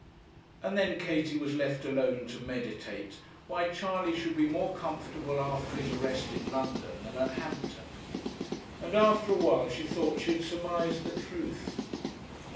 And then Katie was left alone to meditate why Charley should be more comfortable after his arrest in London than at Hampton; and after a while she thought that she had surmised the truth.